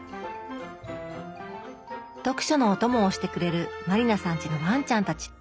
読書のオトモをしてくれる満里奈さんちのワンちゃんたち。